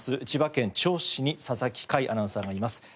千葉県調布市に佐々木快アナウンサーがいます。